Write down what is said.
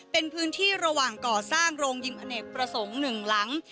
เป็นพื้นที่ระหว่างก่อสร้างโรงยิมอเนกประสงค์หนึ่งหลัง